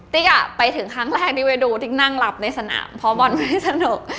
ไปถึงครั้งแรกที่ไปดูติ๊กนั่งหลับในสนามเพราะบอลไม่สนุก